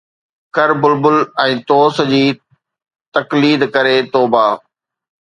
ڪر بلبل ۽ طوس جي تقليد ڪري توبه